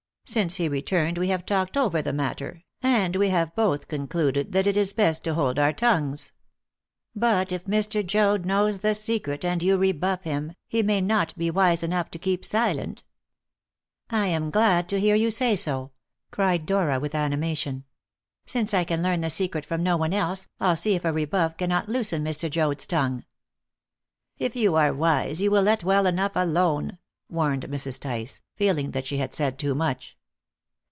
Since he returned we have talked over the matter, and we have both concluded that it is best to hold our tongues. But if Mr. Joad knows the secret, and you rebuff him, he may not be wise enough to keep silent." "I am glad to hear you say so!" cried Dora with animation. "Since I can learn the secret from no one else, I'll see if a rebuff cannot loosen Mr. Joad's tongue." "If you are wise, you will let well alone," warned Mrs. Tice, feeling that she had said too much.